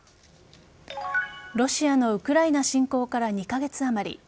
ロシアのウクライナ侵攻から２カ月あまり。